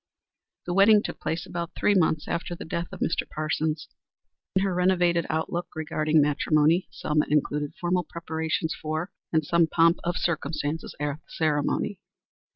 The wedding took place about three months after the death of Mr. Parsons. In her renovated outlook regarding matrimony, Selma included formal preparations for and some pomp of circumstances at the ceremony.